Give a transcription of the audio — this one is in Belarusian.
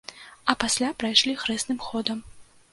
А пасля прайшлі хрэсным ходам.